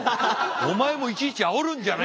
お前もいちいちあおるんじゃない。